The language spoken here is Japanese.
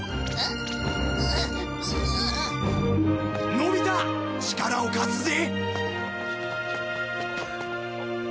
のび太力を貸すぜ。